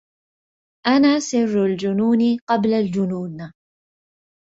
أنا سر الجنون قبل الجنون